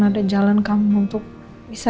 ada jalan kamu untuk bisa